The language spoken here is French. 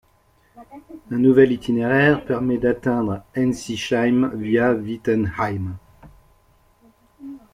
Un nouvel itinéraire permet d'atteindre Ensisheim via Wittenheim.